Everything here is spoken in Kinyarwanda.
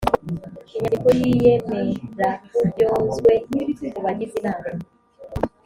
inyandiko y iyemeraburyozwe ku bagize inama